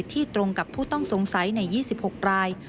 ตรงกับผู้ต้องสงสัยใน๒๖ราย